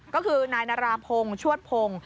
ก็คือนายนาราพงศ์ชวดพงศ์